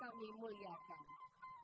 bapak ibu yang kami muliakan